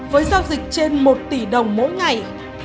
với giao dịch trên một tỷ đồng mỗi ngày